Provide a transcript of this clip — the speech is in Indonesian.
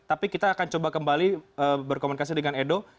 tapi kita akan coba kembali berkomunikasi dengan edo